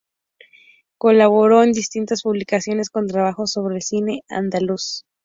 Colaboró en distintas publicaciones con trabajos sobre el cine andaluz.